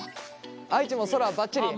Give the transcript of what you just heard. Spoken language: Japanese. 愛知も空ばっちり？